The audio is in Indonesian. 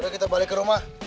kita balik ke rumah